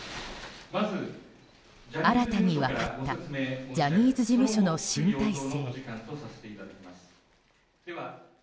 新たに分かったジャニーズ事務所の新体制。